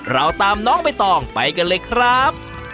เราตามน้องใบตองไปกันเลยครับ